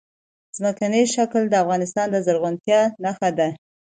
ځمکنی شکل د افغانستان د زرغونتیا نښه ده.